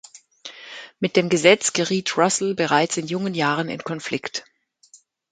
Mit dem Gesetz geriet Russell bereits in jungen Jahren in Konflikt.